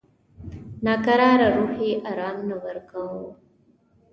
ناکراره روح یې آرام نه ورکاوه.